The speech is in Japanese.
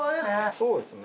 そうですね。